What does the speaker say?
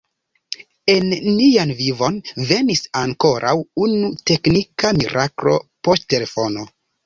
En nian vivon venis ankoraŭ unu teknika miraklo – poŝtelefono.